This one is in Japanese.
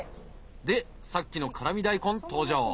でさっきの辛味大根登場。